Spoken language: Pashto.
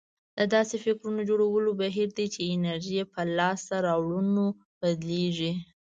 دا داسې فکرونه جوړولو بهير دی چې انرژي يې په لاسته راوړنو بدلېږي.